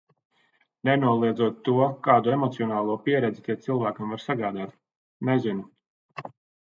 Nenoliedzot to, kādu emocionālo pieredzi tie cilvēkam var sagādāt. Nezinu.